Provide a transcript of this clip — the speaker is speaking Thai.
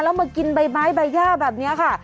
แล้วมากินใบไม้ใบย่าแบบนี้ค่ะ